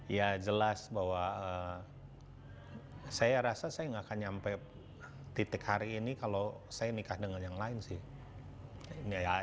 ya jelas bahwa saya rasa saya nggak akan nyampe titik hari ini kalau saya nikah dengan yang lain sih